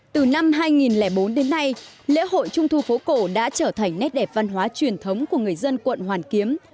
từ năm hai nghìn bốn đến nay lễ hội trung thu phố cổ đã trở thành nét đẹp văn hóa truyền thống của người dân quận hoàn kiếm